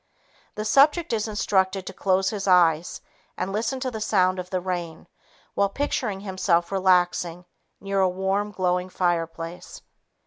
The subject is instructed to close his eyes and listen to the sound of the rain while picturing himself relaxing near a warm, glowing fireplace.